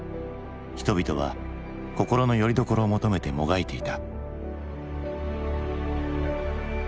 人々は心のよりどころを求めてもがいていた。